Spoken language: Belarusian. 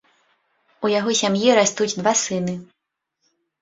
У яго сям'і растуць два сыны.